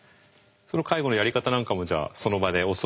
その介護のやり方なんかもじゃあその場で教わりながら。